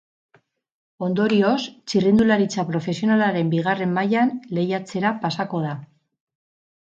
Ondorioz, txirrindularitza profesionalaren bigarren mailan lehiatzera pasako da.